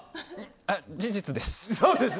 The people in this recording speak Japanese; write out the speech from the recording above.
事実です。